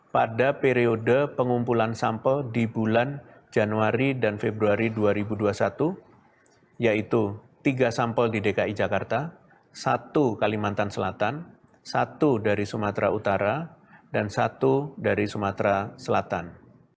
pada periode pengumpulan sampel di bulan januari dan februari dua ribu dua puluh satu yaitu tiga sampel di dki jakarta satu kalimantan selatan satu dari sumatera utara dan satu dari sumatera selatan